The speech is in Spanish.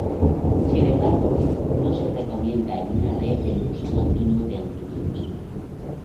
Sin embargo, no se recomienda en una red el uso continuo de antivirus.